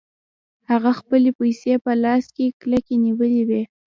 هغه خپلې پيسې په لاس کې کلکې نيولې وې.